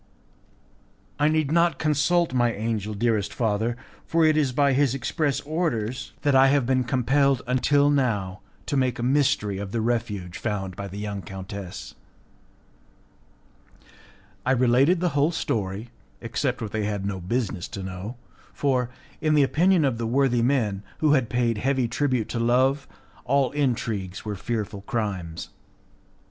"I need not consult my angel, dearest father, for it is by his express orders that I have been compelled until now to make a mystery of the refuge found by the young countess." I related the whole story, except what they had no business to know, for, in the opinion of the worthy men, who had paid heavy tribute to Love, all intrigues were fearful crimes.